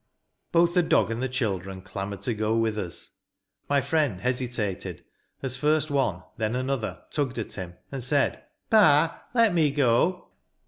Both the dog and the children clamoured to go with us. My friend hesitated as first one, then another, tugged at him, and said: "Pa, let me go."